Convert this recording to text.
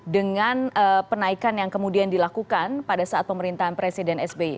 dengan penaikan yang kemudian dilakukan pada saat pemerintahan presiden sby